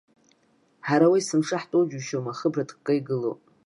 Ҳара уа есмыша ҳтәоу џьушьома, ахыбра ҭыкка игылоуп.